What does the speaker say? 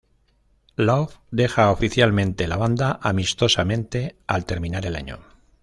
Love dejó oficialmente la banda amistosamente al terminar el año.